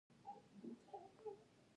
ازادي لوی نعمت دی